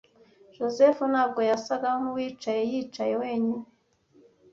Josehl ntabwo yasaga nkuwicaye yicaye wenyine.